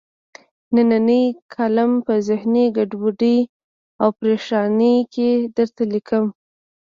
نننۍ کالم په ذهني ګډوډۍ او پریشانۍ کې درته لیکم.